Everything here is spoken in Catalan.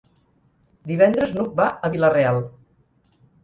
Divendres n'Hug va a Vila-real.